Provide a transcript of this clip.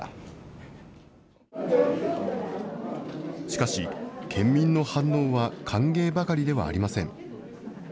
しかし、県民の反応は歓迎ばかりではありません。